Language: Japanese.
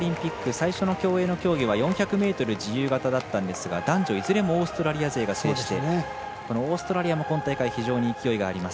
最初の競泳の競技は４００ｍ自由形だったんですが男女いずれもオーストラリア勢が制してオーストラリアも今大会非常に勢いがあります。